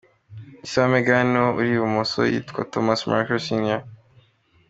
Ise wa Meghan ni uwo uri i bumoso yitwa Thomas Markle Sr.